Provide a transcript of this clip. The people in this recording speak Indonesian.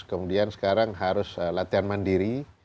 kemudian sekarang harus latihan mandiri